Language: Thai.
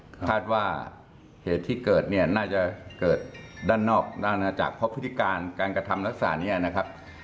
คาดว่าเหตุที่เกิดเนี่ยน่าจะเกิดด้านนอกด้านนาจักรเพราะพฤติการการกระทำลักษณะนี้นะครับ